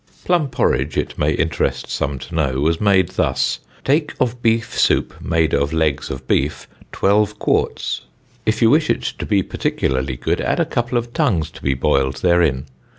Plum porridge, it may interest some to know, was made thus: "Take of beef soup made of legs of beef, 12 quarts; if you wish it to be particularly good, add a couple of tongues to be boiled therein.